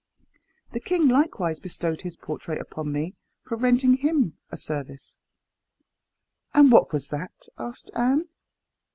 The king likewise bestowed his portrait upon me for rendering him a service." "And what was that?" asked Anne.